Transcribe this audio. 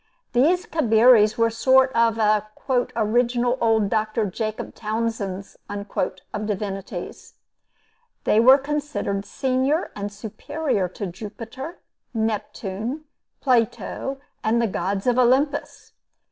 These Cabiri were a sort of "Original old Dr. Jacob Townsends" of divinities. They were considered senior and superior to Jupiter, Neptune, Plato, and the gods of Olympus.